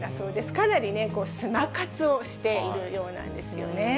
かなりね、スマ活をしているようなんですよね。